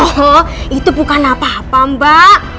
oh itu bukan apa apa mbak